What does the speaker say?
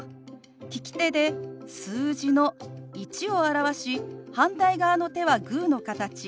利き手で数字の「１」を表し反対側の手はグーの形。